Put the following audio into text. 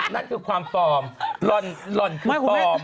นั่นคือความปลอมหล่อนคือปลอม